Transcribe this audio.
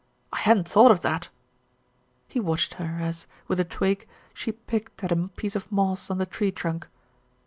"I hadn't thought of that" He watched her as, with a twig, she picked at a piece of moss on the tree trunk.